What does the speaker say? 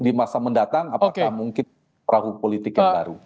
di masa mendatang apakah mungkin perahu politik yang baru